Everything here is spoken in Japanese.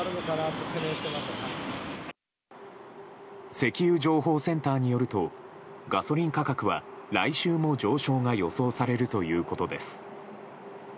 石油情報センターによるとガソリン価格は来週も上昇が予想されるということです。